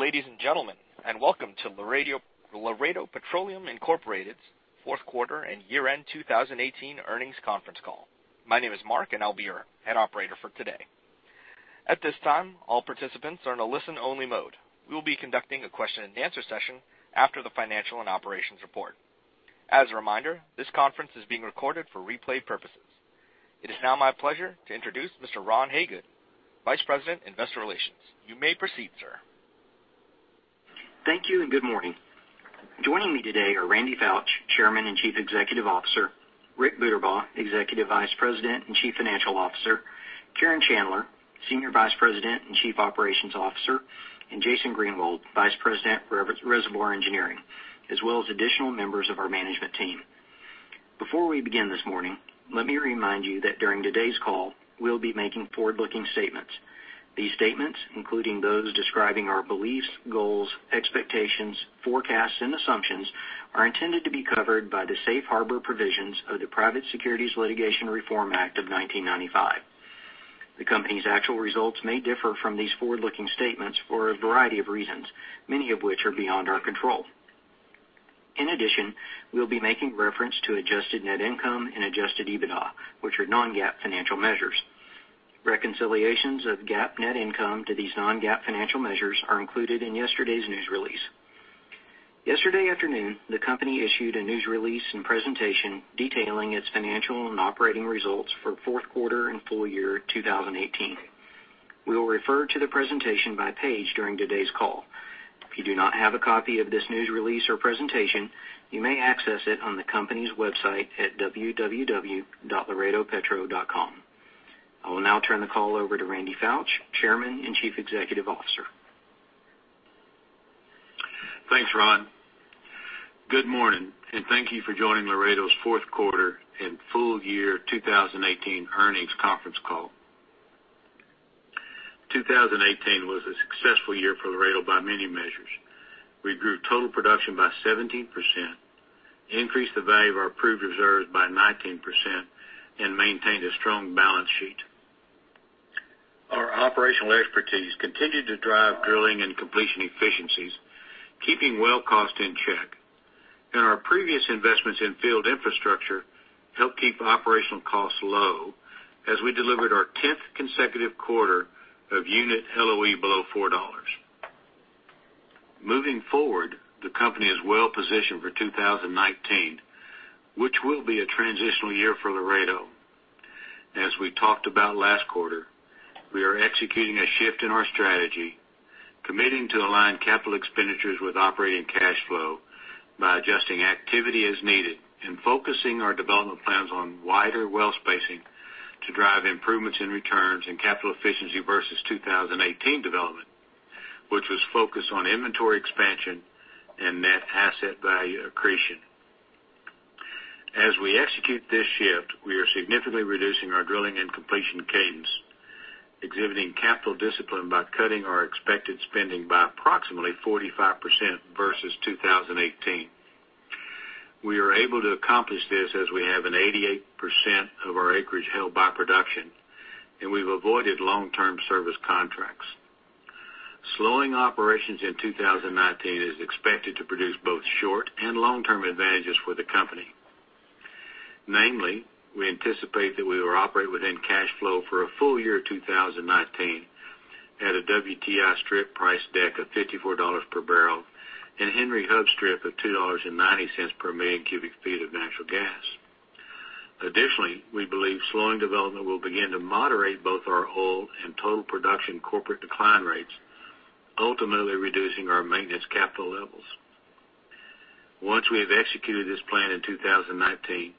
Good day, ladies and gentlemen, and welcome to Laredo Petroleum, Incorporated's fourth quarter and year-end 2018 earnings conference call. My name is Mark, and I will be your Head Operator for today. At this time, all participants are in a listen-only mode. We will be conducting a question-and-answer session after the financial and operations report. As a reminder, this conference is being recorded for replay purposes. It is now my pleasure to introduce Mr. Ron Hagood, Vice President, Investor Relations. You may proceed, sir. Thank you. Good morning. Joining me today are Randy Foutch, Chairman and Chief Executive Officer; Rick Buterbaugh, Executive Vice President and Chief Financial Officer; Karen Chandler, Senior Vice President and Chief Operations Officer; and Jason Greenwald, Vice President, Reservoir Engineering, as well as additional members of our management team. Before we begin this morning, let me remind you that during today's call, we will be making forward-looking statements. These statements, including those describing our beliefs, goals, expectations, forecasts, and assumptions, are intended to be covered by the safe harbor provisions of the Private Securities Litigation Reform Act of 1995. In addition, we will be making reference to adjusted net income and adjusted EBITDA, which are non-GAAP financial measures. Reconciliations of GAAP net income to these non-GAAP financial measures are included in yesterday's news release. Yesterday afternoon, the company issued a news release and presentation detailing its financial and operating results for fourth quarter and full-year 2018. We will refer to the presentation by page during today's call. If you do not have a copy of this news release or presentation, you may access it on the company's website at www.laredopetro.com. I will now turn the call over to Randy Foutch, Chairman and Chief Executive Officer. Thanks, Ron. Good morning. Thank you for joining Laredo's fourth quarter and full-year 2018 earnings conference call. 2018 was a successful year for Laredo by many measures. We grew total production by 17%, increased the value of our proved reserves by 19% and maintained a strong balance sheet. Our operational expertise continued to drive drilling and completion efficiencies, keeping well cost in check. Our previous investments in field infrastructure helped keep operational costs low as we delivered our 10th consecutive quarter of unit LOE below $4. Moving forward, the company is well positioned for 2019, which will be a transitional year for Laredo. As we talked about last quarter, we are executing a shift in our strategy, committing to align capital expenditures with operating cash flow by adjusting activity as needed and focusing our development plans on wider well spacing to drive improvements in returns and capital efficiency versus 2018 development, which was focused on inventory expansion and net asset value accretion. As we execute this shift, we are significantly reducing our drilling and completion cadence, exhibiting capital discipline by cutting our expected spending by approximately 45% versus 2018. We are able to accomplish this as we have 88% of our acreage held by production, and we've avoided long-term service contracts. Slowing operations in 2019 is expected to produce both short- and long-term advantages for the company. We anticipate that we will operate within cash flow for a full-year 2019 at a WTI strip price deck of $54 per barrel and Henry Hub strip of $2.90 per million cubic feet of natural gas. We believe slowing development will begin to moderate both our oil and total production corporate decline rates, ultimately reducing our maintenance capital levels. Once we have executed this plan in 2019,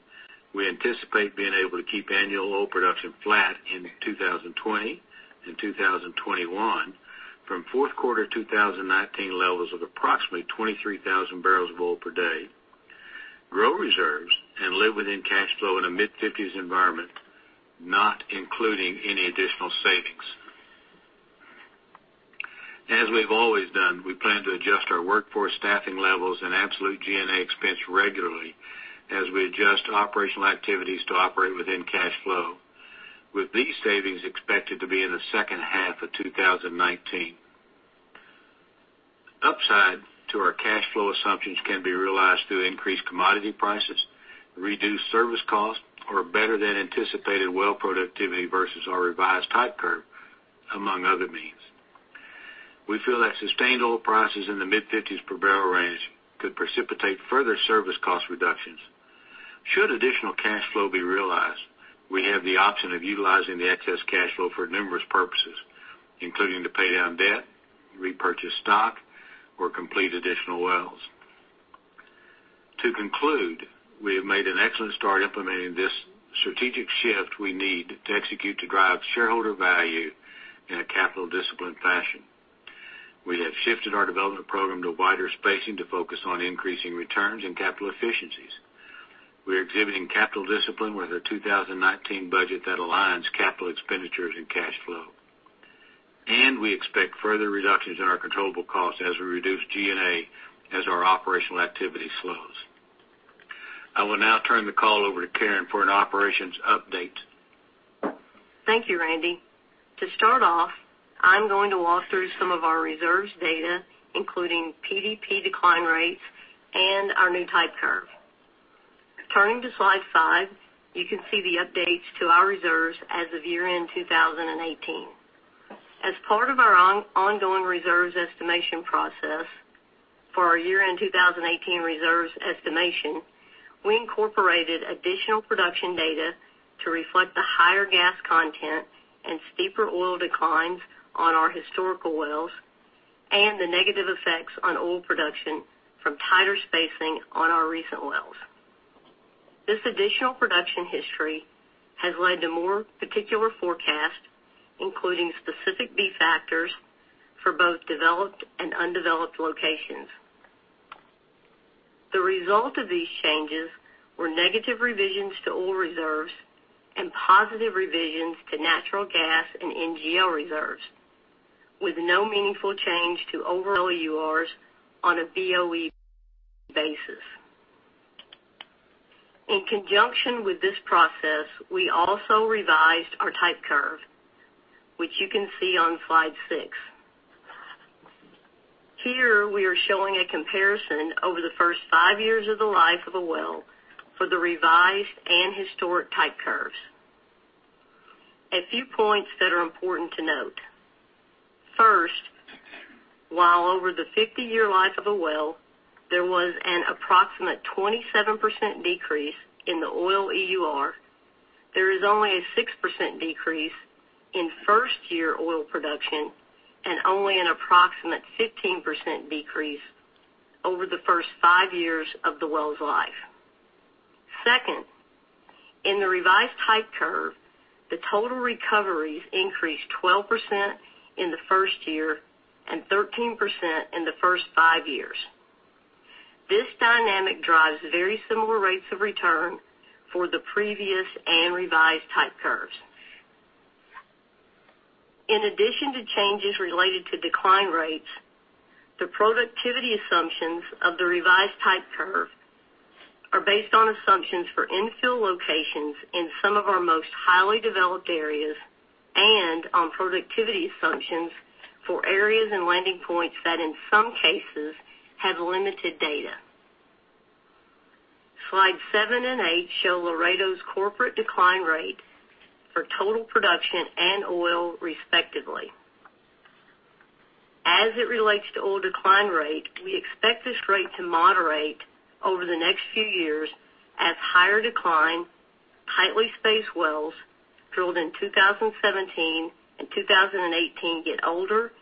we anticipate being able to keep annual oil production flat in 2020 and 2021 from fourth quarter 2019 levels of approximately 23,000 barrels of oil per day, grow reserves, and live within cash flow in a mid-50s environment, not including any additional savings. As we've always done, we plan to adjust our workforce staffing levels and absolute G&A expense regularly as we adjust operational activities to operate within cash flow, with these savings expected to be in the second half of 2019. Upside to our cash flow assumptions can be realized through increased commodity prices, reduced service costs, or better than anticipated well productivity versus our revised type curve, among other means. We feel that sustained oil prices in the mid-50s per barrel range could precipitate further service cost reductions. Should additional cash flow be realized, we have the option of utilizing the excess cash flow for numerous purposes, including to pay down debt, repurchase stock, or complete additional wells. We have made an excellent start implementing this strategic shift we need to execute to drive shareholder value in a capital disciplined fashion. We have shifted our development program to wider spacing to focus on increasing returns and capital efficiencies. We are exhibiting capital discipline with a 2019 budget that aligns capital expenditures and cash flow. We expect further reductions in our controllable costs as we reduce G&A as our operational activity slows. I will now turn the call over to Karen for an operations update Thank you, Randy. To start off, I'm going to walk through some of our reserves data, including PDP decline rates and our new type curve. Turning to slide five, you can see the updates to our reserves as of year-end 2018. As part of our ongoing reserves estimation process for our year-end 2018 reserves estimation, we incorporated additional production data to reflect the higher gas content and steeper oil declines on our historical wells and the negative effects on oil production from tighter spacing on our recent wells. This additional production history has led to more particular forecasts, including specific defactors for both developed and undeveloped locations. The result of these changes were negative revisions to oil reserves and positive revisions to natural gas and NGL reserves, with no meaningful change to overall EURs on a BOE basis. In conjunction with this process, we also revised our type curve, which you can see on slide six. Here, we are showing a comparison over the first five years of the life of a well for the revised and historic type curves. A few points that are important to note. First, while over the 50-year life of a well, there was an approximate 27% decrease in the oil EUR, there is only a 6% decrease in first-year oil production and only an approximate 15% decrease over the first five years of the well's life. Second, in the revised type curve, the total recoveries increased 12% in the first year and 13% in the first five years. This dynamic drives very similar rates of return for the previous and revised type curves. In addition to changes related to decline rates, the productivity assumptions of the revised type curve are based on assumptions for infill locations in some of our most highly developed areas and on productivity assumptions for areas and landing points that, in some cases, have limited data. Slide seven and eight show Laredo's corporate decline rate for total production and oil respectively. As it relates to oil decline rate, we expect this rate to moderate over the next few years as higher decline, tightly spaced wells drilled in 2017 and 2018 get older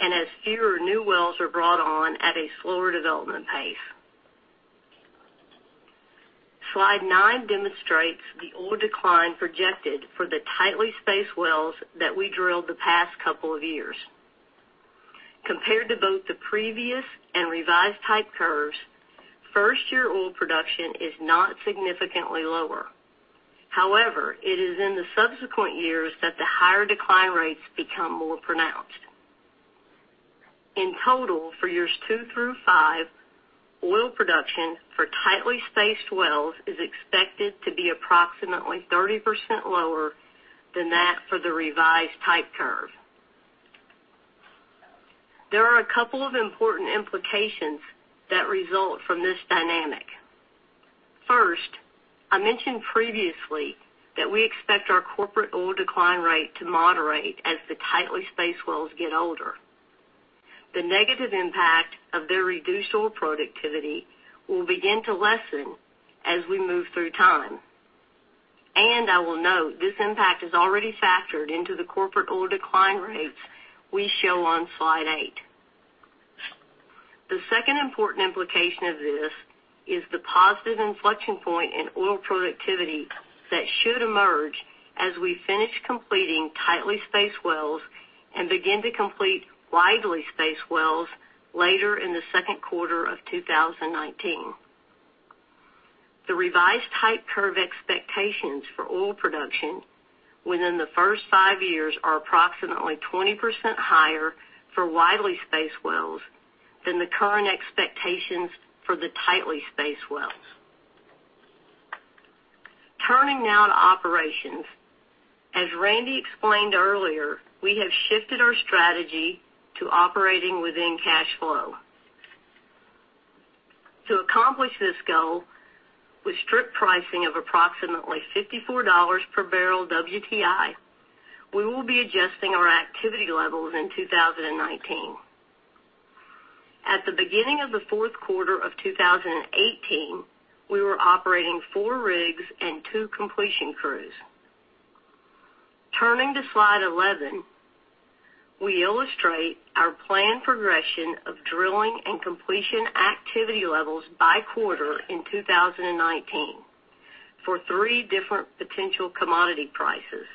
and as fewer new wells are brought on at a slower development pace. Slide nine demonstrates the oil decline projected for the tightly spaced wells that we drilled the past couple of years. Compared to both the previous and revised type curves, first-year oil production is not significantly lower. However, it is in the subsequent years that the higher decline rates become more pronounced. In total, for years two through five, oil production for tightly spaced wells is expected to be approximately 30% lower than that for the revised type curve. There are a couple of important implications that result from this dynamic. First, I mentioned previously that we expect our corporate oil decline rate to moderate as the tightly spaced wells get older. The negative impact of their reduced oil productivity will begin to lessen as we move through time. I will note, this impact is already factored into the corporate oil decline rates we show on slide eight. The second important implication of this is the positive inflection point in oil productivity that should emerge as we finish completing tightly spaced wells and begin to complete widely spaced wells later in the second quarter of 2019. The revised type curve expectations for oil production within the first five years are approximately 20% higher for widely spaced wells than the current expectations for the tightly spaced wells. Turning now to operations. As Randy explained earlier, we have shifted our strategy to operating within cash flow. To accomplish this goal, with strip pricing of approximately $54 per barrel WTI, we will be adjusting our activity levels in 2019. At the beginning of the fourth quarter of 2018, we were operating four rigs and two completion crews. Turning to slide 11, we illustrate our planned progression of drilling and completion activity levels by quarter in 2019 for three different potential commodity prices,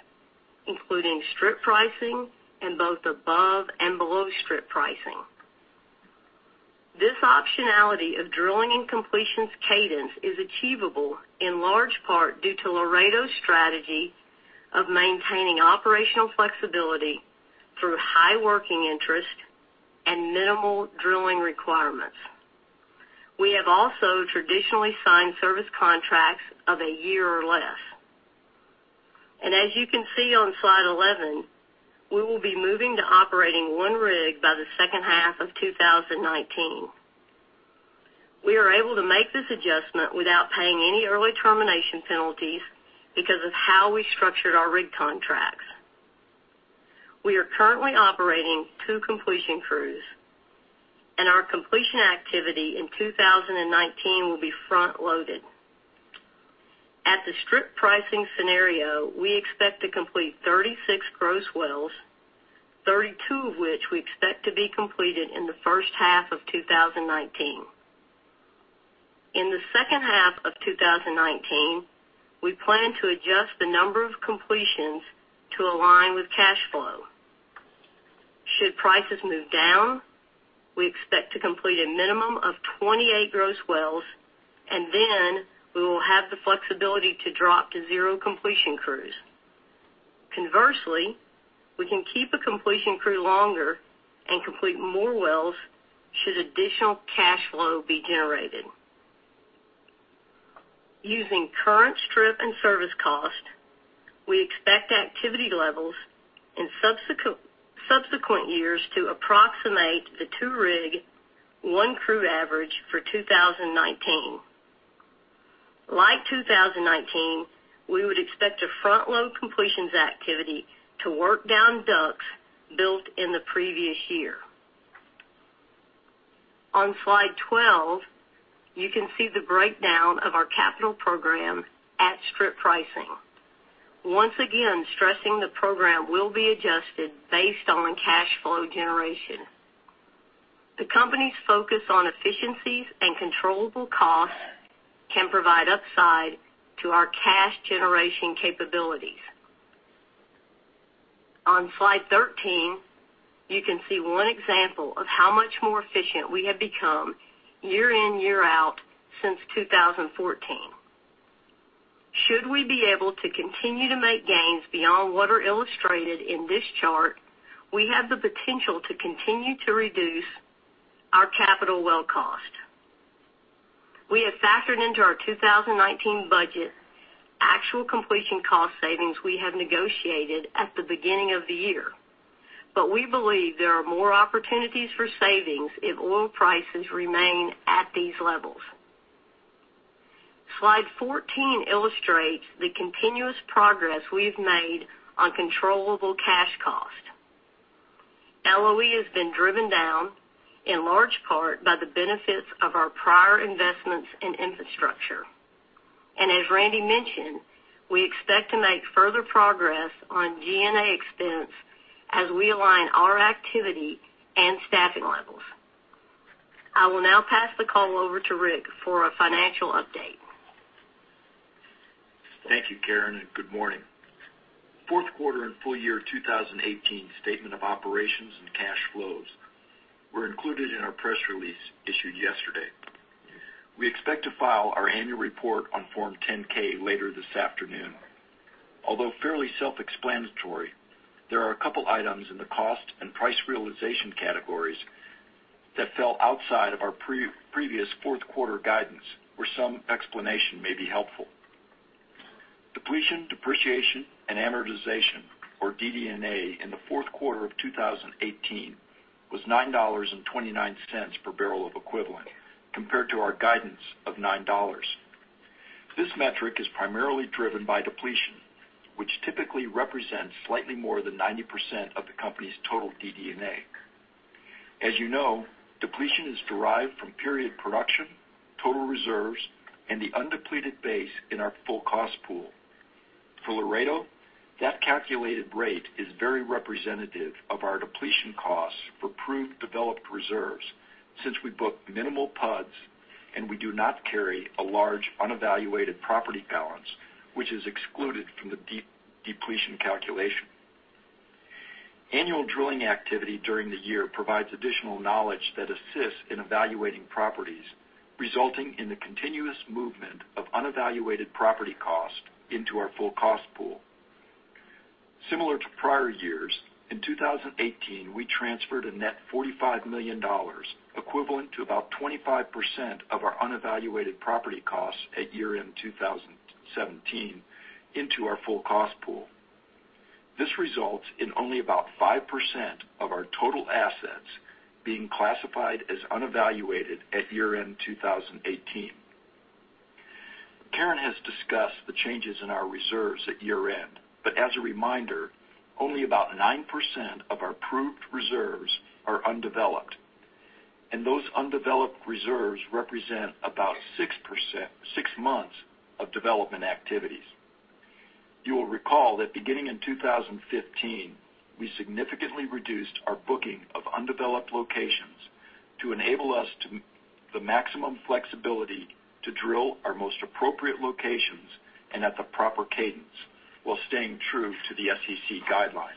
including strip pricing and both above and below strip pricing. This optionality of drilling and completions cadence is achievable in large part due to Laredo's strategy of maintaining operational flexibility through high working interest and minimal drilling requirements. We have also traditionally signed service contracts of a year or less. As you can see on slide 11, we will be moving to operating one rig by the second half of 2019. We are able to make this adjustment without paying any early termination penalties because of how we structured our rig contracts. We are currently operating two completion crews, and our completion activity in 2019 will be front-loaded. At the strip pricing scenario, we expect to complete 36 gross wells, 32 of which we expect to be completed in the first half of 2019. In the second half of 2019, we plan to adjust the number of completions to align with cash flow. Should prices move down, we expect to complete a minimum of 28 gross wells, and then we will have the flexibility to drop to zero completion crews. Conversely, we can keep a completion crew longer and complete more wells should additional cash flow be generated. Using current strip and service cost, we expect activity levels in subsequent years to approximate the two rig, one crew average for 2019. Like 2019, we would expect to front-load completions activity to work down DUCs built in the previous year. On slide 12, you can see the breakdown of our capital program at strip pricing. Once again, stressing the program will be adjusted based on cash flow generation. The company's focus on efficiencies and controllable costs can provide upside to our cash generation capabilities. On slide 13, you can see one example of how much more efficient we have become year in, year out since 2014. Should we be able to continue to make gains beyond what are illustrated in this chart, we have the potential to continue to reduce our capital well cost. We have factored into our 2019 budget, actual completion cost savings we have negotiated at the beginning of the year, we believe there are more opportunities for savings if oil prices remain at these levels. Slide 14 illustrates the continuous progress we've made on controllable cash cost. LOE has been driven down in large part by the benefits of our prior investments in infrastructure. As Randy mentioned, we expect to make further progress on G&A expense as we align our activity and staffing levels. I will now pass the call over to Rick for a financial update. Thank you, Karen, and good morning. Fourth quarter and full-year 2018 statement of operations and cash flows were included in our press release issued yesterday. We expect to file our annual report on Form 10-K later this afternoon. Although fairly self-explanatory, there are a couple items in the cost and price realization categories that fell outside of our previous fourth quarter guidance, where some explanation may be helpful. Depletion, Depreciation, and Amortization, or DD&A, in the fourth quarter of 2018 was $9.29 per barrel of equivalent, compared to our guidance of $9. This metric is primarily driven by depletion, which typically represents slightly more than 90% of the company's total DD&A. As you know, depletion is derived from period production, total reserves, and the undepleted base in our full cost pool. For Laredo, that calculated rate is very representative of our depletion costs for proved developed reserves since we book minimal PUDs and we do not carry a large unevaluated property balance, which is excluded from the depletion calculation. Annual drilling activity during the year provides additional knowledge that assists in evaluating properties, resulting in the continuous movement of unevaluated property cost into our full cost pool. Similar to prior years, in 2018, we transferred a net $45 million, equivalent to about 25% of our unevaluated property costs at year-end 2017 into our full cost pool. This results in only about 5% of our total assets being classified as unevaluated at year-end 2018. Karen has discussed the changes in our reserves at year-end, but as a reminder, only about 9% of our proved reserves are undeveloped. Those undeveloped reserves represent about six months of development activities. You will recall that beginning in 2015, we significantly reduced our booking of undeveloped locations to enable us the maximum flexibility to drill our most appropriate locations and at the proper cadence while staying true to the SEC guidelines.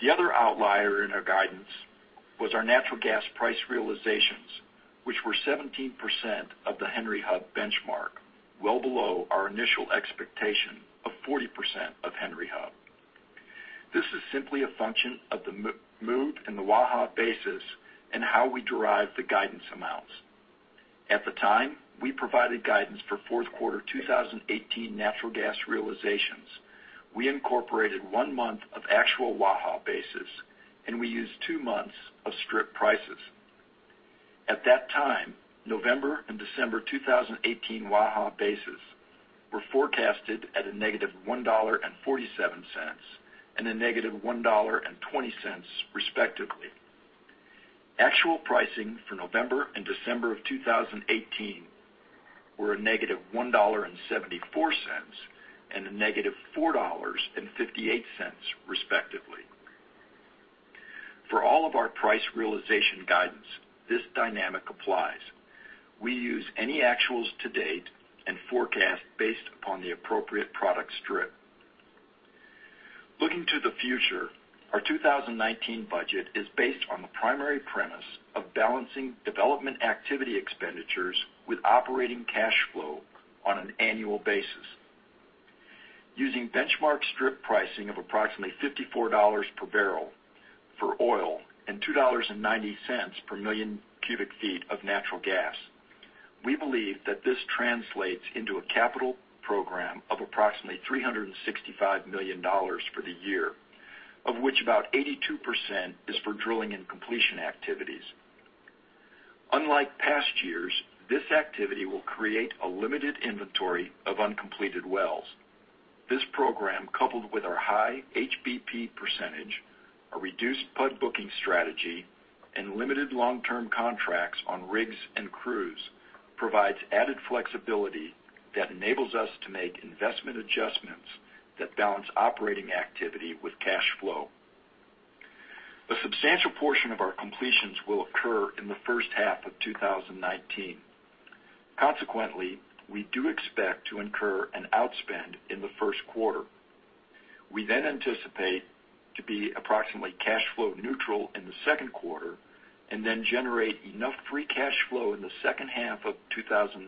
The other outlier in our guidance was our natural gas price realizations, which were 17% of the Henry Hub benchmark, well below our initial expectation of 40% of Henry Hub. This is simply a function of the move in the Waha basis and how we derive the guidance amounts. At the time, we provided guidance for fourth quarter 2018 natural gas realizations. We incorporated one month of actual Waha basis, and we used two months of strip prices. At that time, November and December 2018 Waha basis were forecasted at a -$1.47 and a -$1.20, respectively. Actual pricing for November and December of 2018 were a -$1.74 and a -$4.58, respectively. For all of our price realization guidance, this dynamic applies. We use any actuals to date and forecast based upon the appropriate product strip. Looking to the future, our 2019 budget is based on the primary premise of balancing development activity expenditures with operating cash flow on an annual basis. Using benchmark strip pricing of approximately $54 per barrel for oil and $2.90 per million cubic feet of natural gas, we believe that this translates into a capital program of approximately $365 million for the year, of which about 82% is for drilling and completion activities. Unlike past years, this activity will create a limited inventory of uncompleted wells. This program, coupled with our high HBP percentage, a reduced PUD booking strategy, and limited long-term contracts on rigs and crews, provides added flexibility that enables us to make investment adjustments that balance operating activity with cash flow. A substantial portion of our completions will occur in the first half of 2019. Consequently, we do expect to incur an outspend in the first quarter. We anticipate to be approximately cash flow neutral in the second quarter, generate enough free cash flow in the second half of 2019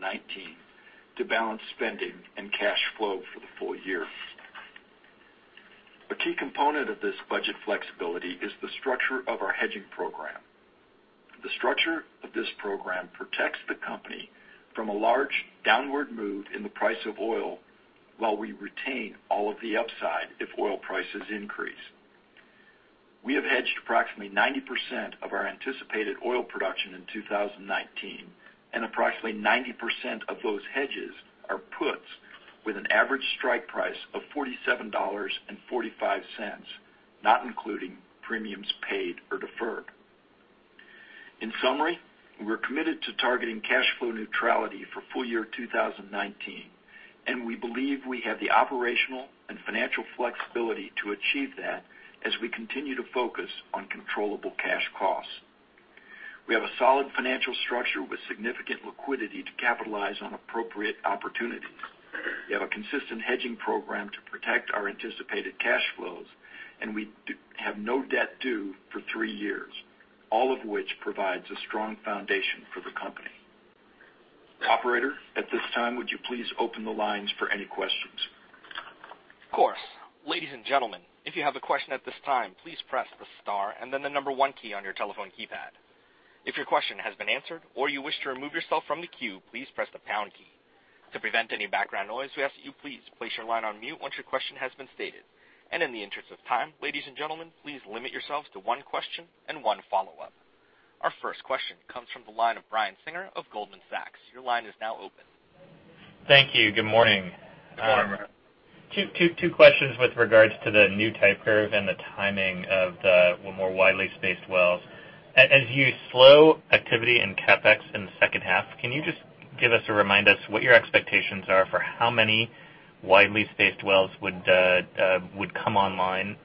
to balance spending and cash flow for the full-year. A key component of this budget flexibility is the structure of our hedging program. The structure of this program protects the company from a large downward move in the price of oil while we retain all of the upside if oil prices increase. We have hedged approximately 90% of our anticipated oil production in 2019, approximately 90% of those hedges are puts with an average strike price of $47.45, not including premiums paid or deferred. In summary, we're committed to targeting cash flow neutrality for full-year 2019, we believe we have the operational and financial flexibility to achieve that as we continue to focus on controllable cash costs. We have a solid financial structure with significant liquidity to capitalize on appropriate opportunities. We have a consistent hedging program to protect our anticipated cash flows, we have no debt due for three years, all of which provides a strong foundation for the company. Operator, at this time, would you please open the lines for any questions? Of course. Ladies and gentlemen, if you have a question at this time, please press the star and then the number one key on your telephone keypad. If your question has been answered, you wish to remove yourself from the queue, please press the pound key. To prevent any background noise, we ask that you please place your line on mute once your question has been stated. In the interest of time, ladies and gentlemen, please limit yourselves to one question and one follow-up. Our first question comes from the line of Brian Singer of Goldman Sachs. Your line is now open. Thank you. Good morning. Good morning, Brian. Two questions with regards to the new type curve and the timing of the more widely spaced wells. As you slow activity in CapEx in the second half, can you just give us a reminder what your expectations are for how many widely spaced wells would come online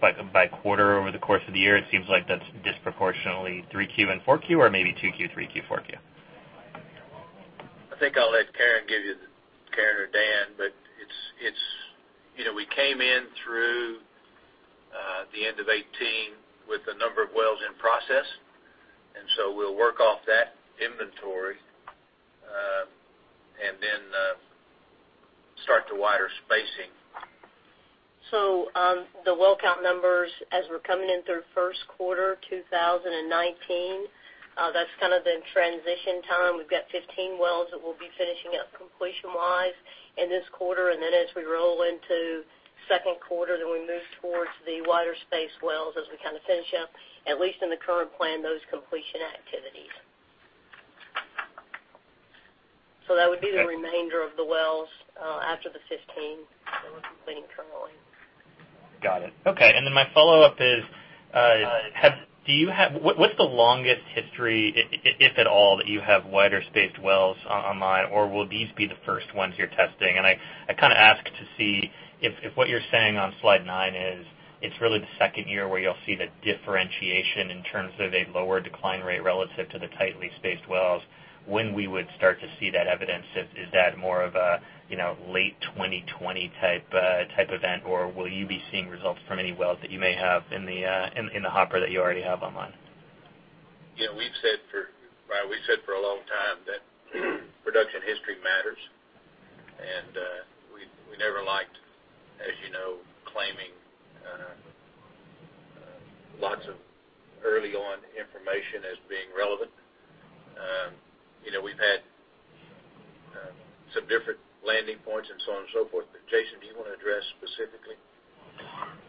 by quarter over the course of the year? It seems like that's disproportionately 3Q and 4Q, or maybe 2Q, 3Q, 4Q. I think I'll let Karen give you the Karen or Dan. We came in through the end of 2018 with a number of wells in process. We'll work off that inventory. Start the wider spacing. The well count numbers as we're coming in through first quarter 2019, that's the transition time. We've got 15 wells that we'll be finishing up completion-wise in this quarter. As we roll into second quarter, we move towards the wider space wells as we finish up, at least in the current plan, those completion activities. That would be the remainder of the wells after the 15 that we're completing currently. Got it. Okay. My follow-up is, what's the longest history, if at all, that you have wider spaced wells online, or will these be the first ones you're testing? I ask to see if what you're saying on slide nine is it's really the second year where you'll see the differentiation in terms of a lower decline rate relative to the tightly spaced wells, when we would start to see that evidence. Is that more of a late 2020 type event, or will you be seeing results from any wells that you may have in the hopper that you already have online? Yeah. Brian, we've said for a long time that production history We never liked, as you know, claiming lots of early-on information as being relevant. We've had some different landing points and so on and so forth. Jason, do you want to address specifically?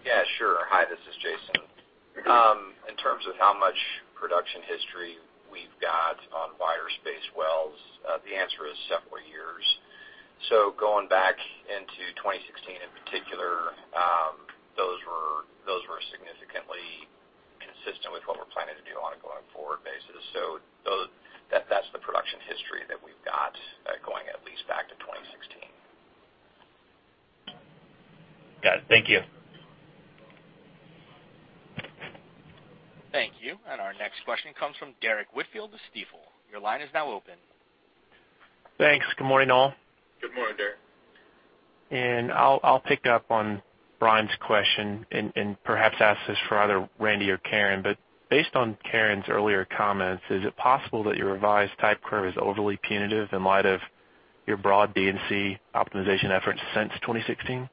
Yeah, sure. Hi, this is Jason. In terms of how much production history we've got on wider space wells, the answer is several years. Going back into 2016 in particular, those were significantly consistent with what we're planning to do on a going forward basis. That's the production history that we've got, going at least back to 2016. Got it. Thank you. Thank you. Our next question comes from Derrick Whitfield of Stifel. Your line is now open. Thanks. Good morning, all. Good morning, Derrick. I'll pick up on Brian's question and perhaps ask this for either Randy or Karen, but based on Karen's earlier comments, is it possible that your revised type curve is overly punitive in light of your broad D&C optimization efforts since 2016?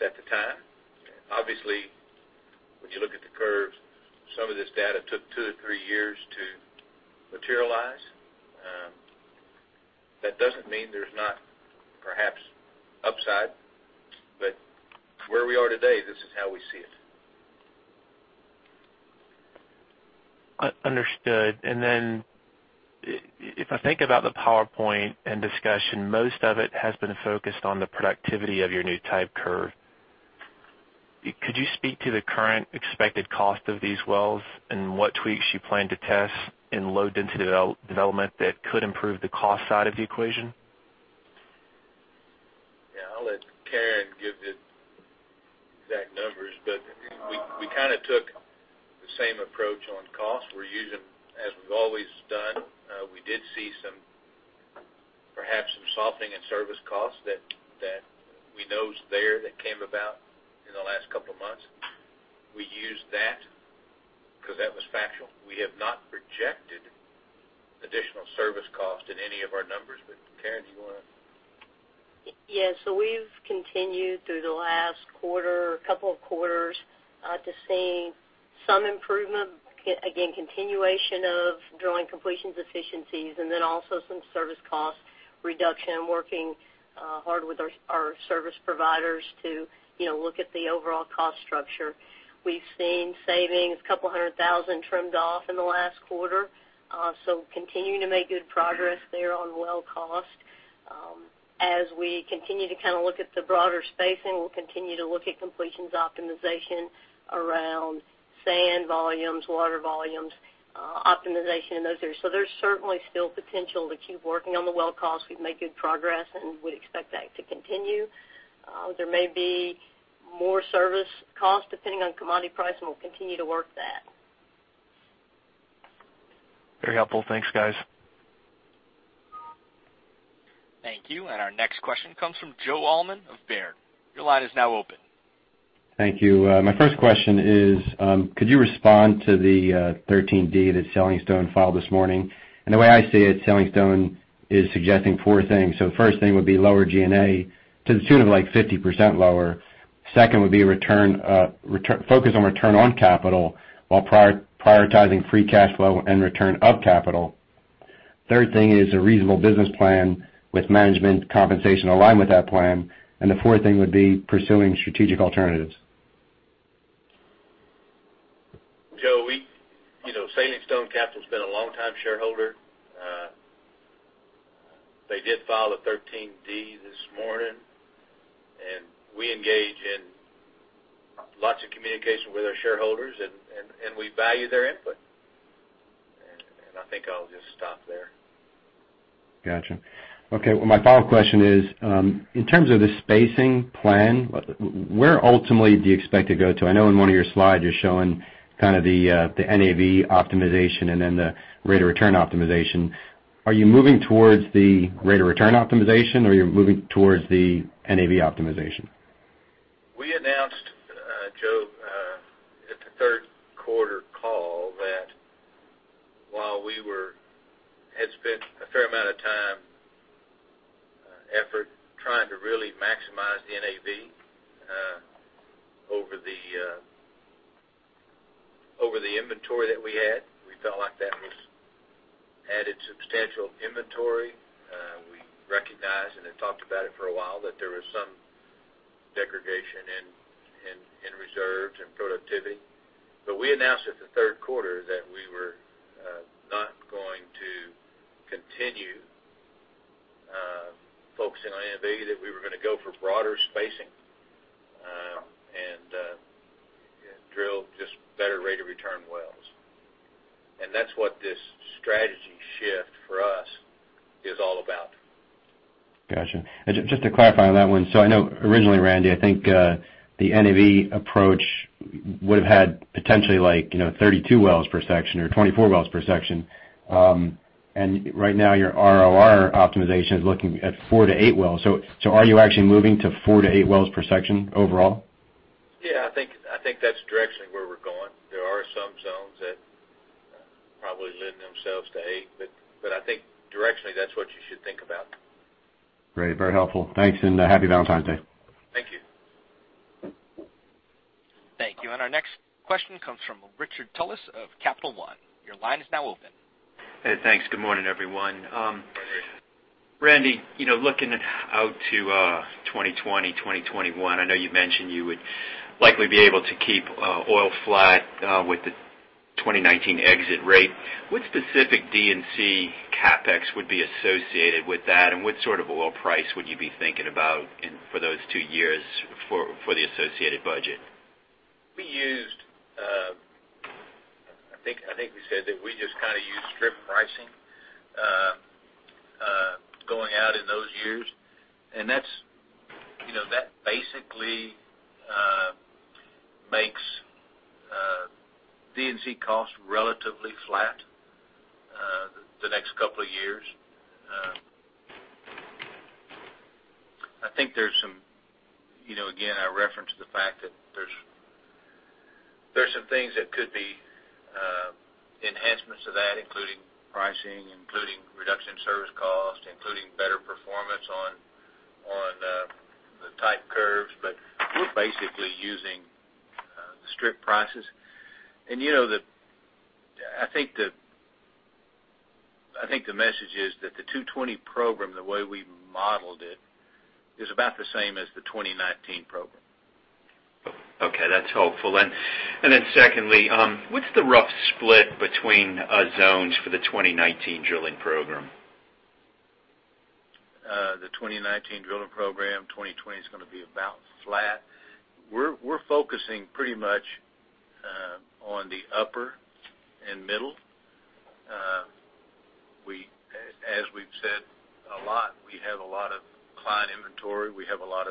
We've tried to play middle of the road, not push the data one way or another. I think we've tried to be completely straightforward and get the conclusions that the data gives us at the time. Obviously, when you look at the curves, some of this data took two to three years to materialize. That doesn't mean there's not perhaps upside, but where we are today, this is how we see it. Understood. If I think about the PowerPoint and discussion, most of it has been focused on the productivity of your new type curve. Could you speak to the current expected cost of these wells and what tweaks you plan to test in low density development that could improve the cost side of the equation? I'll let Karen give the exact numbers, we took the same approach on cost we're using as we've always done. We did see perhaps some softening in service costs that we know is there that came about in the last couple of months. We used that because that was factual. We have not projected additional service cost in any of our numbers. Karen, do you want to? Yes. We've continued through the last couple of quarters to seeing some improvement. Again, continuation of drilling completions efficiencies, and then also some service cost reduction, working hard with our service providers to look at the overall cost structure. We've seen savings, a couple hundred thousand trimmed off in the last quarter. Continuing to make good progress there on well cost. As we continue to look at the broader spacing, we'll continue to look at completions optimization around sand volumes, water volumes, optimization in those areas. There's certainly still potential to keep working on the well cost. We've made good progress, and we expect that to continue. There may be more service cost depending on commodity price, and we'll continue to work that. Very helpful. Thanks, guys. Thank you. Our next question comes from Joe Allman of Baird. Your line is now open. Thank you. My first question is, could you respond to the 13D that SailingStone filed this morning? The way I see it, SailingStone is suggesting four things. The first thing would be lower G&A to the tune of 50% lower. Second would be focus on return on capital while prioritizing free cash flow and return of capital. Third thing is a reasonable business plan with management compensation aligned with that plan. The fourth thing would be pursuing strategic alternatives. Joe, SailingStone Capital's been a long-time shareholder. They did file a 13D this morning, we engage in lots of communication with our shareholders, we value their input. I think I'll just stop there. Got you. Okay. My follow-up question is, in terms of the spacing plan, where ultimately do you expect to go to? I know in one of your slides, you're showing the NAV optimization and then the rate of return optimization. Are you moving towards the rate of return optimization or you're moving towards the NAV optimization? We announced, Joe, at the third quarter call that while we had spent a fair amount of time and effort trying to really maximize the NAV over the inventory that we had, we felt like that was added substantial inventory. We recognized and had talked about it for a while, that there was some degradation in reserves and productivity. We announced at the third quarter that we were not going to continue focusing on NAV, that we were going to go for broader spacing. That's what this strategy shift for us is all about. Got you. Just to clarify on that one, I know originally, Randy, I think the NAV approach would've had potentially 32 wells per section or 24 wells per section. Right now, your ROR optimization is looking at four to eight wells. Are you actually moving to four to eight wells per section overall? Yeah, I think that's directionally where we're going. There are some zones that probably lend themselves to eight, but I think directionally that's what you should think about. Great. Very helpful. Thanks. Happy Valentine's Day. Thank you. Thank you. Our next question comes from Richard Tullis of Capital One. Your line is now open. Hey, thanks. Good morning, everyone. Good morning. Randy, looking out to 2020, 2021, I know you've mentioned you would likely be able to keep oil flat with the 2019 exit rate. What specific D&C CapEx would be associated with that, and what sort of oil price would you be thinking about for those two years for the associated budget? I think we said that we just use strip pricing going out in those years. That basically makes D&C cost relatively flat the next couple of years. Again, I referenced the fact that there's some things that could be enhancements to that, including pricing, including reduction in service cost, including better performance on the type curves. We're basically using the strip prices. I think the message is that the 2020 program, the way we've modeled it, is about the same as the 2019 program. Okay. That's helpful. Secondly, what's the rough split between zones for the 2019 drilling program? The 2019 drilling program, 2020 is going to be about flat. We're focusing pretty much on the upper and middle. As we've said a lot, we have a lot of client inventory. We have a lot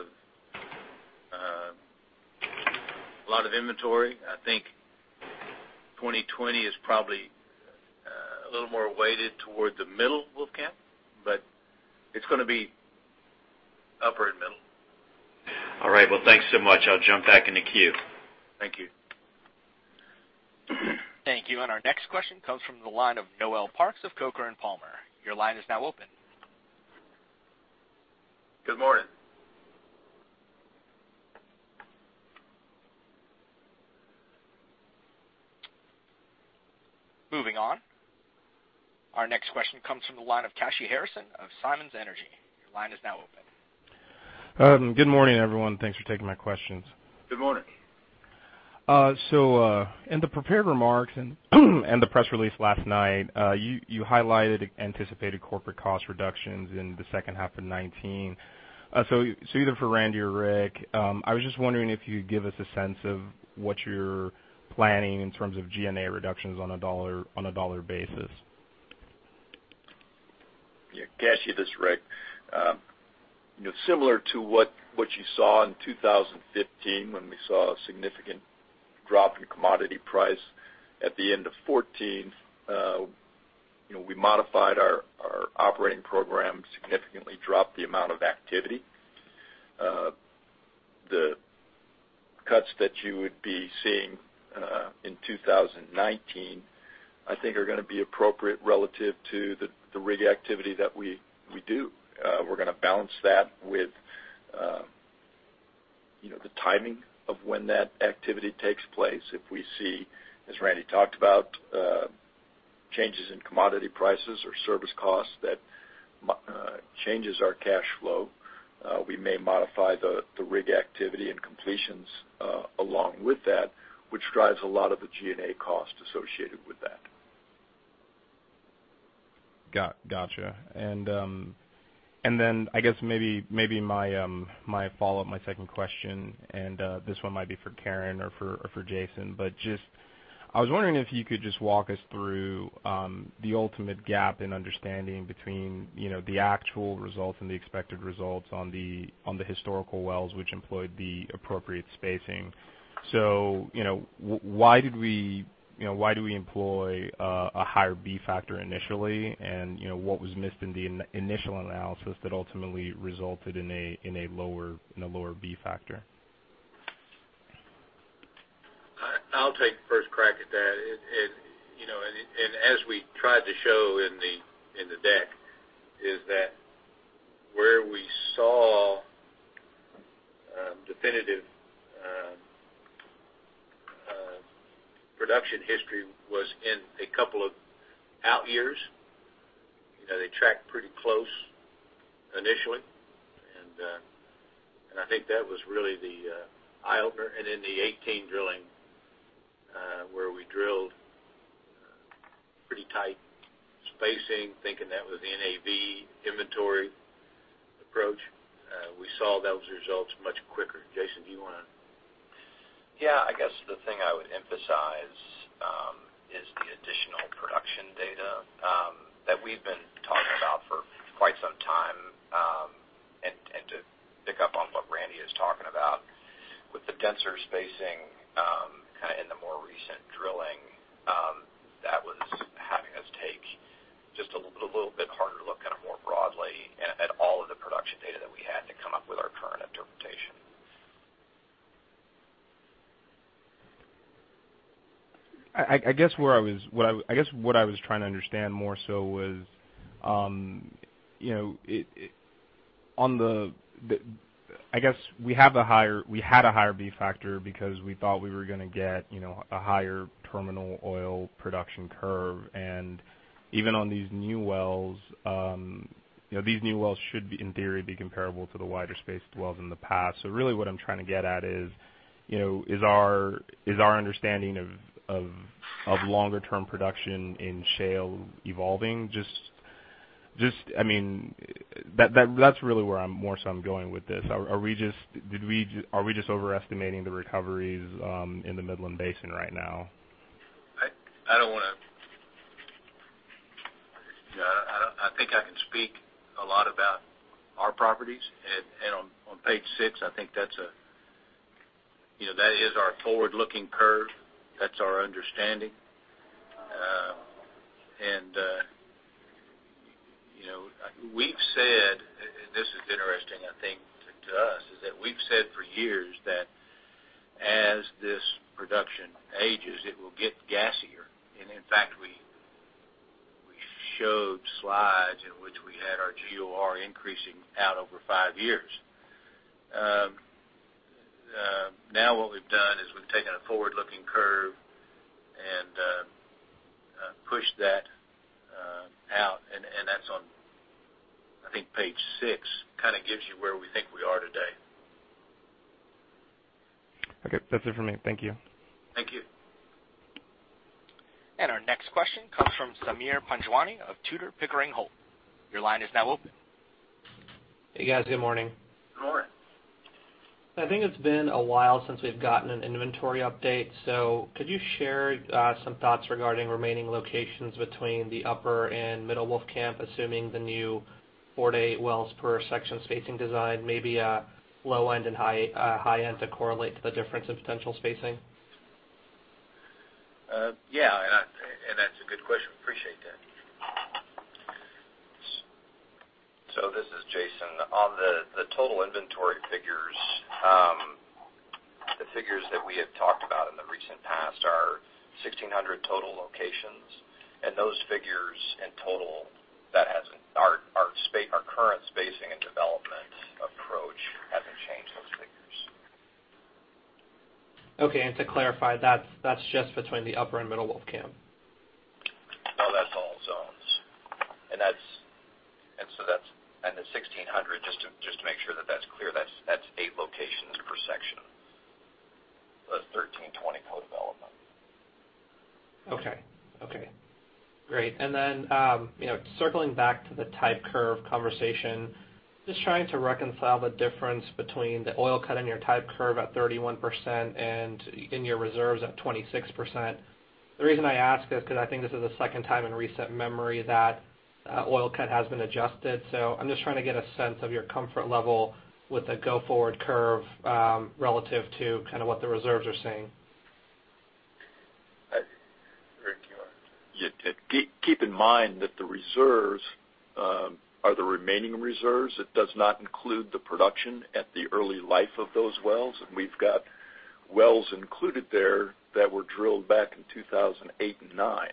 of inventory. I think 2020 is probably a little more weighted toward the middle Wolfcamp. It's going to be upper and middle. All right. Well, thanks so much. I'll jump back in the queue. Thank you. Thank you. Our next question comes from the line of Noel Parks of Coker & Palmer. Your line is now open. Good morning. Moving on. Our next question comes from the line of Kashy Harrison of Simmons Energy. Your line is now open. Good morning, everyone. Thanks for taking my questions. Good morning. In the prepared remarks and the press release last night, you highlighted anticipated corporate cost reductions in the second half of 2019. Either for Randy or Rick, I was just wondering if you could give us a sense of what you're planning in terms of G&A reductions on a dollar basis. Yeah. Kashy, this is Rick. Similar to what you saw in 2015, when we saw a significant drop in commodity price at the end of 2014, we modified our operating program, significantly dropped the amount of activity. The cuts that you would be seeing in 2019, I think are going to be appropriate relative to the rig activity that we do. We're going to balance that with the timing of when that activity takes place. If we see, as Randy talked about, changes in commodity prices or service costs that changes our cash flow, we may modify the rig activity and completions along with that, which drives a lot of the G&A cost associated with that. Got you. I guess maybe my follow-up, my second question, and this one might be for Karen or for Jason, but I was wondering if you could just walk us through the ultimate gap in understanding between the actual results and the expected results on the historical wells which employed the appropriate spacing. Why do we employ a higher b-factor initially? What was missed in the initial analysis that ultimately resulted in a lower b-factor? I'll take the first crack at that. As we tried to show in the deck, is that where we saw definitive production history was in a couple of out years. They tracked pretty close initially, and I think that was really the eye-opener. In the 2018 drilling, where we drilled pretty tight spacing, thinking that was NAV inventory approach. We saw those results much quicker. Jason, do you want to? Yeah, I guess the thing I would emphasize is the additional production data that we've been talking about for quite some time. To pick up on what Randy is talking about, with the denser spacing in the more recent drilling, that was having us take just a little bit harder look more broadly at all of the production data that we had to come up with our current interpretation. I guess what I was trying to understand more so was, we had a higher b-factor because we thought we were going to get a higher terminal oil production curve. Even on these new wells, these new wells should, in theory, be comparable to the wider spaced wells in the past. Really what I'm trying to get at is our understanding of longer-term production in shale evolving? That's really where I'm more so I'm going with this. Are we just overestimating the recoveries in the Midland Basin right now? I think I can speak a lot about our properties. On page six, I think that is our forward-looking curve. That's our understanding. We've said, this is interesting, I think, to us, is that we've said for years that as this production ages, it will get gassier. In fact, we showed slides in which we had our GOR increasing out over five years. What we've done is we've taken a forward-looking curve and pushed that out, and that's on, I think page six, gives you where we think we are today. Okay, that's it from me. Thank you. Thank you. Our next question comes from Sameer Panjwani of Tudor, Pickering Holt. Your line is now open. Hey, guys. Good morning. Good morning. I think it's been a while since we've gotten an inventory update. Could you share some thoughts regarding remaining locations between the upper and middle Wolfcamp, assuming the new four to eight wells per section spacing design, maybe a low end and high end to correlate to the difference in potential spacing? Yeah. That's a good question. Appreciate that. This is Jason. On the total inventory figures, the figures that we have talked about in the recent past are 1,600 total locations. Those figures in total, our current spacing and development approach hasn't changed those figures. Okay. To clarify, that's just between the upper and middle Wolfcamp. No, that's all zones. The 1,600, just to make sure that that's clear, that's eight locations per section. That's 1,320 co-development. Okay. Great. Circling back to the type curve conversation, just trying to reconcile the difference between the oil cut on your type curve at 31% and in your reserves at 26%. The reason I ask is because I think this is the second time in recent memory that oil cut has been adjusted. I'm just trying to get a sense of your comfort level with the go-forward curve relative to what the reserves are saying. Rick, do you want to? Keep in mind that the reserves are the remaining reserves. It does not include the production at the early life of those wells. We've got wells included there that were drilled back in 2008 and 2009.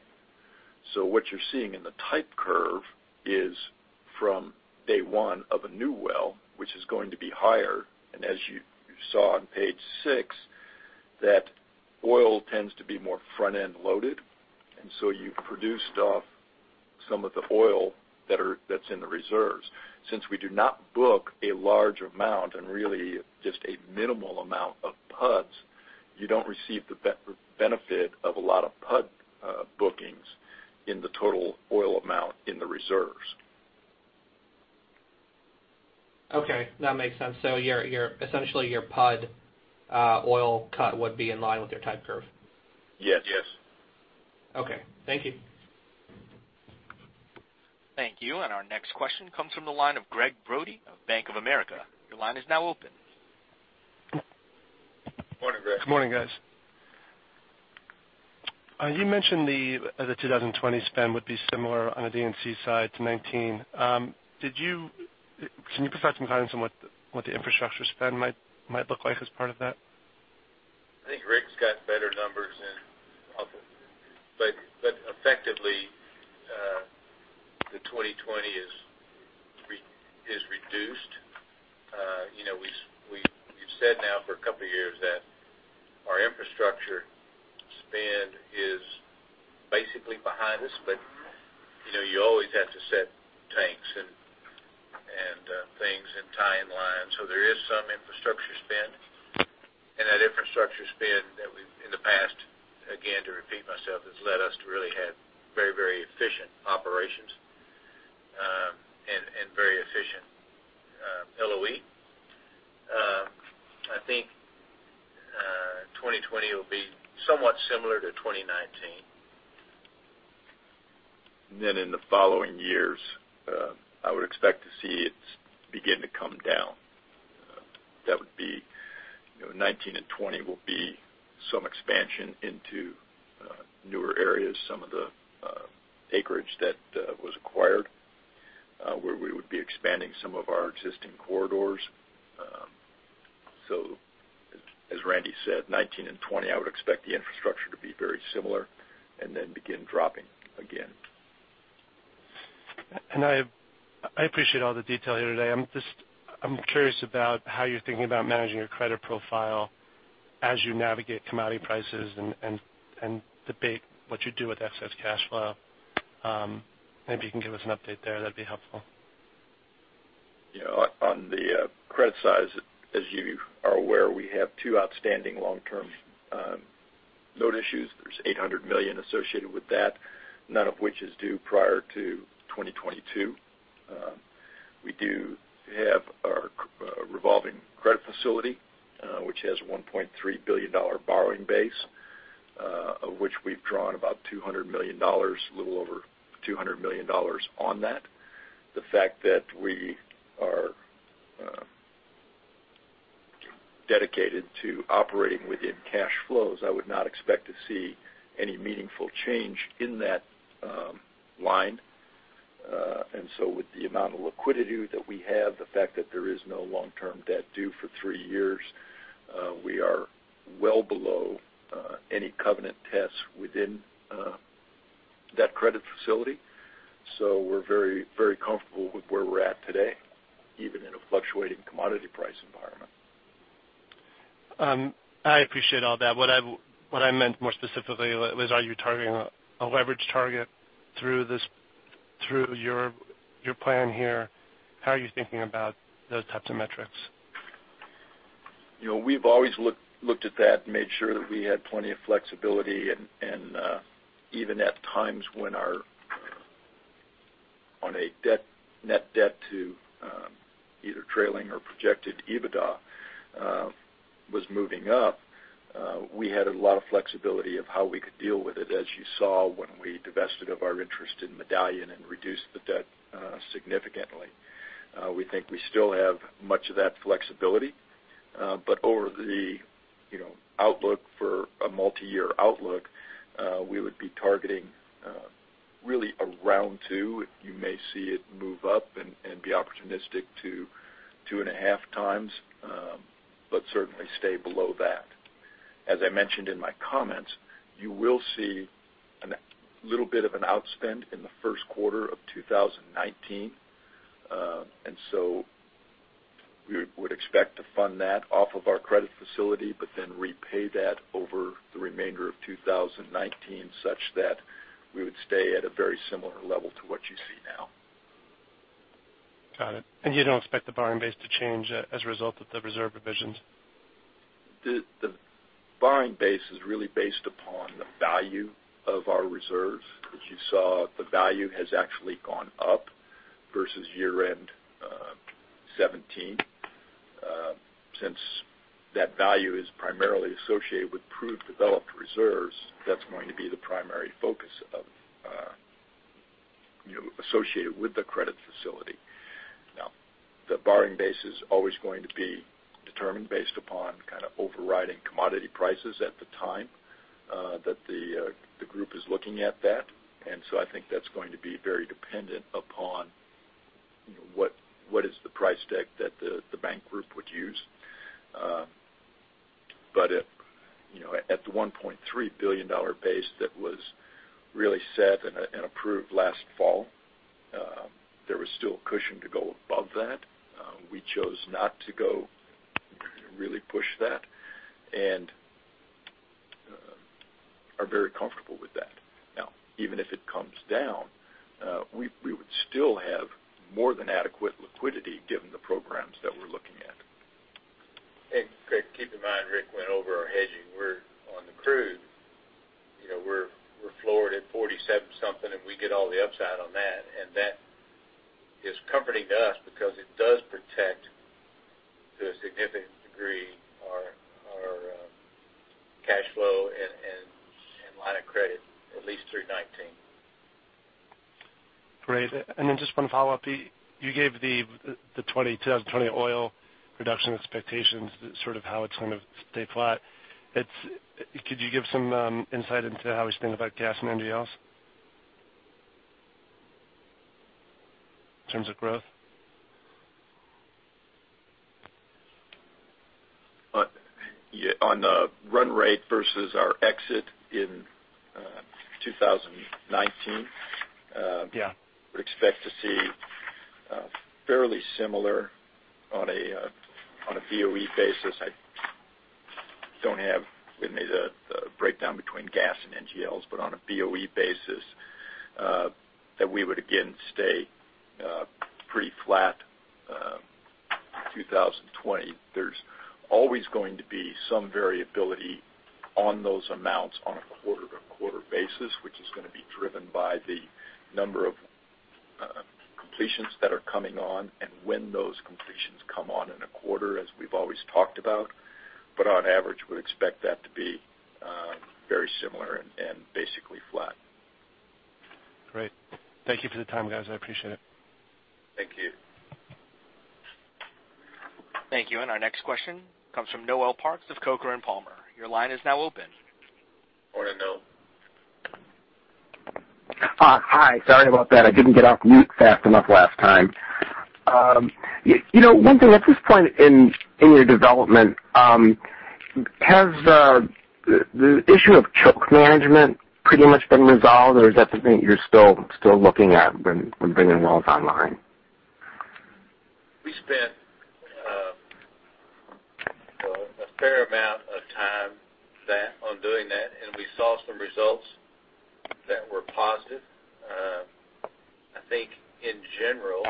What you're seeing in the type curve is from day one of a new well, which is going to be higher. As you saw on page six, that oil tends to be more front-end loaded. You've produced off some of the oil that's in the reserves. Since we do not book a large amount and really just a minimal amount of PUDs, you don't receive the benefit of a lot of PUD bookings in the total oil amount in the reserves. Okay. That makes sense. Essentially, your PUD oil cut would be in line with your type curve. Yes. Yes. Okay. Thank you. Thank you. Our next question comes from the line of Doug Leggate of Bank of America. Your line is now open. Morning, Doug. Good morning, guys. You mentioned the 2020 spend would be similar on a D&C side to 2019. Can you provide some guidance on what the infrastructure spend might look like as part of that? I think Rick's got better numbers. Effectively, the 2020 is reduced. We've said now for a couple of years that our infrastructure spend is basically behind us, but you always have to set tanks and things and tie in lines. There is some infrastructure spend has led us to really have very efficient operations and very efficient LOE. I think 2020 will be somewhat similar to 2019. In the following years, I would expect to see it begin to come down. 2019 and 2020 will be some expansion into newer areas, some of the acreage that was acquired, where we would be expanding some of our existing corridors. As Randy said, 2019 and 2020, I would expect the infrastructure to be very similar and then begin dropping again. I appreciate all the detail here today. I'm curious about how you're thinking about managing your credit profile as you navigate commodity prices and debate what you do with excess cash flow. Maybe you can give us an update there. That'd be helpful. On the credit size, as you are aware, we have two outstanding long-term note issues. There's $800 million associated with that, none of which is due prior to 2022. We do have our revolving credit facility, which has a $1.3 billion borrowing base, of which we've drawn about a little over $200 million on that. The fact that we are dedicated to operating within cash flows, I would not expect to see any meaningful change in that line. With the amount of liquidity that we have, the fact that there is no long-term debt due for three years, we are well below any covenant tests within that credit facility. We're very comfortable with where we're at today, even in a fluctuating commodity price environment. I appreciate all that. What I meant more specifically was, are you targeting a leverage target through your plan here? How are you thinking about those types of metrics? We've always looked at that and made sure that we had plenty of flexibility and even at times when our net debt to either trailing or projected EBITDA was moving up, we had a lot of flexibility of how we could deal with it, as you saw when we divested of our interest in Medallion and reduced the debt significantly. We think we still have much of that flexibility. Over the outlook for a multi-year outlook, we would be targeting really around two. You may see it move up and be opportunistic to 2.5x, but certainly stay below that. As I mentioned in my comments, you will see a little bit of an outspend in the first quarter of 2019. We would expect to fund that off of our credit facility, repay that over the remainder of 2019, such that we would stay at a very similar level to what you see now. Got it. You don't expect the borrowing base to change as a result of the reserve revisions? The borrowing base is really based upon the value of our reserves. As you saw, the value has actually gone up versus year-end 2017. Since that value is primarily associated with proved developed reserves, that's going to be the primary focus associated with the credit facility. Now, the borrowing base is always going to be determined based upon overriding commodity prices at the time that the group is looking at that. I think that's going to be very dependent upon what is the price tag that the bank group would use. At the $1.3 billion base that was really set and approved last fall, there was still a cushion to go above that. We chose not to go really push that, and are very comfortable with that. Now, even if it comes down, we would still have more than adequate liquidity given the programs that we're looking at. Craig, keep in mind, Rick went over our hedging. We are on the crude. We are floored at $47-something, and we get all the upside on that. That is comforting to us because it does protect, to a significant degree, our cash flow and line of credit at least through 2019. Great. Just one follow-up. You gave the 2020 oil production expectations, how it is going to stay flat. Could you give some insight into how we think about gas and NGLs in terms of growth? On the run rate versus our exit in 2019- we expect to see fairly similar on a BOE basis. I don't have with me the breakdown between gas and NGLs, but on a BOE basis, that we would again stay pretty flat 2020, there's always going to be some variability on those amounts on a quarter-to-quarter basis, which is going to be driven by the number of completions that are coming on and when those completions come on in a quarter, as we've always talked about. On average, we'd expect that to be very similar and basically flat. Great. Thank you for the time, guys. I appreciate it. Thank you. Thank you. Our next question comes from Noel Parks of Coker & Palmer. Your line is now open. Morning, Noel. Hi. Sorry about that. I didn't get off mute fast enough last time. One thing, at this point in your development, has the issue of choke management pretty much been resolved, or is that something that you're still looking at when bringing wells online? We spent a fair amount of time on doing that. We saw some results that were positive. I think in general,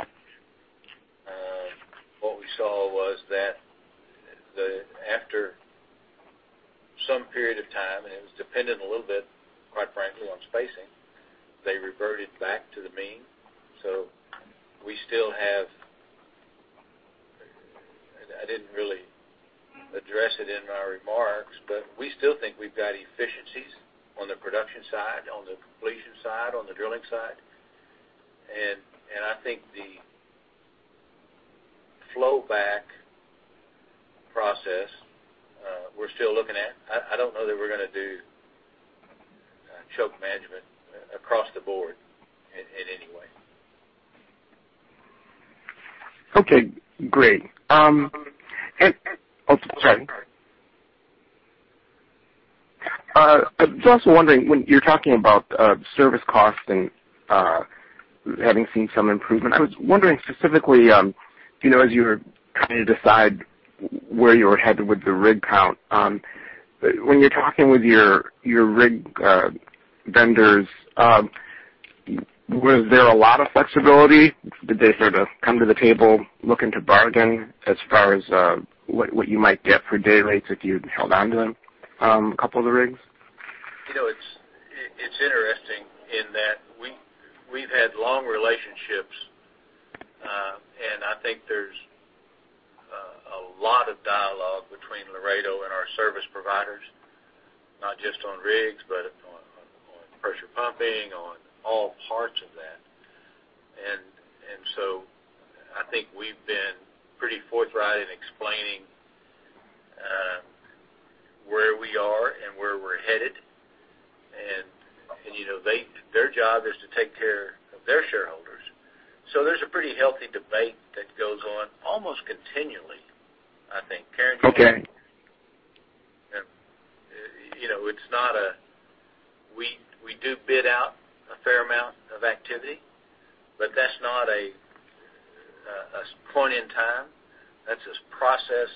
what we saw was that after some period of time, it was dependent a little bit, quite frankly, on spacing, they reverted back to the mean. We still have I didn't really address it in my remarks, but we still think we've got efficiencies on the production side, on the completion side, on the drilling side. I think the flow back process, we're still looking at. I don't know that we're going to do choke management across the board in any way. Okay, great. Oh, sorry. I was also wondering, when you're talking about service cost and having seen some improvement, I was wondering specifically, as you were trying to decide where you were headed with the rig count, when you're talking with your rig vendors, was there a lot of flexibility? Did they sort of come to the table looking to bargain as far as what you might get for day rates if you held onto them, a couple of the rigs? It's interesting in that we've had long relationships, I think there's a lot of dialogue between Laredo and our service providers, not just on rigs, but on pressure pumping, on all parts of that. I think we've been pretty forthright in explaining where we are and where we're headed. Their job is to take care of their shareholders. There's a pretty healthy debate that goes on almost continually, I think. Karen, did you- Okay. We do bid out a fair amount of activity, that's not a point in time. That's a process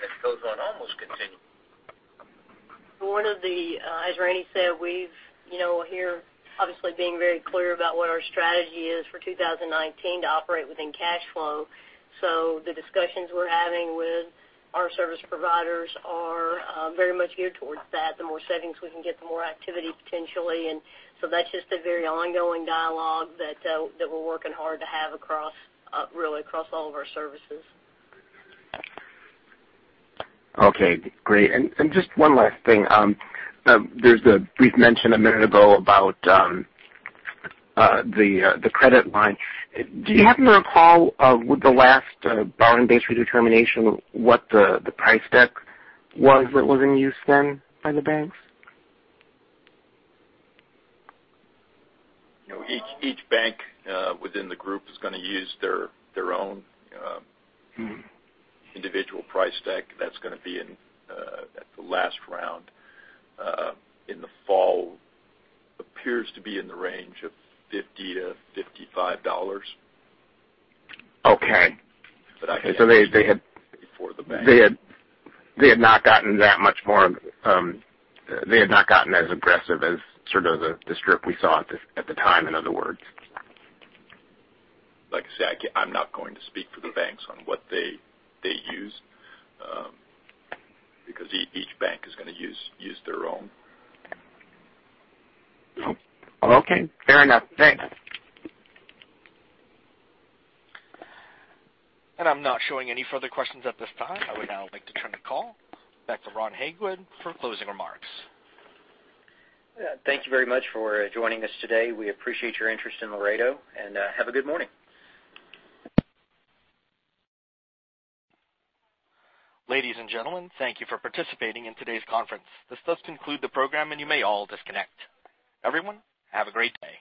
that goes on almost continually. One of the, as Randy said, we've here obviously being very clear about what our strategy is for 2019 to operate within cash flow. The discussions we're having with our service providers are very much geared towards that. The more savings we can get, the more activity potentially. That's just a very ongoing dialogue that we're working hard to have really across all of our services. Okay, great. Just one last thing. There's a brief mention a minute ago about the credit line. Do you happen to recall with the last borrowing base redetermination, what the price deck was that was in use then by the banks? Each bank within the group is going to use their own individual price deck. That's going to be at the last round in the fall. Appears to be in the range of $50-$55. Okay. I can't speak for the bank. They had not gotten as aggressive as sort of the strip we saw at the time, in other words. Like I said, I'm not going to speak for the banks on what they use, because each bank is going to use their own. Okay. Fair enough. Thanks. I'm not showing any further questions at this time. I would now like to turn the call back to Ron Hagood for closing remarks. Thank you very much for joining us today. We appreciate your interest in Laredo, and have a good morning. Ladies and gentlemen, thank you for participating in today's conference. This does conclude the program, and you may all disconnect. Everyone, have a great day.